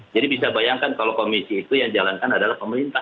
jadi bisa bayangkan kalau komisi itu yang dijalankan adalah pemerintah